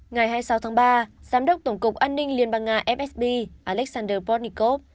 ngày hai mươi sáu tháng ba giám đốc tổng cục an ninh liên bang nga fsb alexander potnikov